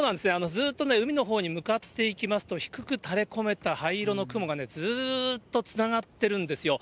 ずっとね、海のほうに向かっていきますと、低くたれこめた灰色の雲がね、ずーっとつながってるんですよ。